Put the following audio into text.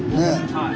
はい。